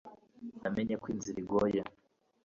namenye ko inzira igoye